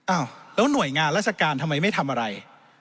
อ้าวแล้วหน่วยงานราชการทำไมไม่ทำอะไร